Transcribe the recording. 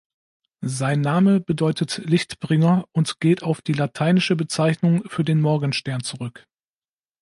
Sein Name bedeutet „Lichtbringer“ und geht auf die lateinische Bezeichnung für den Morgenstern zurück.